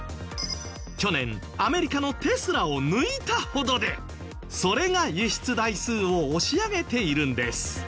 去年アメリカのテスラを抜いたほどでそれが輸出台数を押し上げているんです。